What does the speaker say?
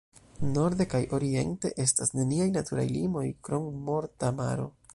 Norde kaj oriente estas neniaj naturaj limoj, krom Morta Maro.